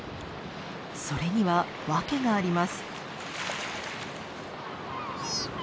それには訳があります。